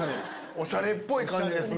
おしゃれっぽい感じですね。